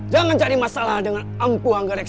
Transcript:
jangan cari masalah dengan empu hanggarexa